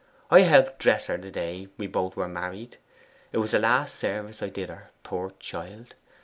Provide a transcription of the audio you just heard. I helped dress her the day we both were married it was the last service I did her, poor child!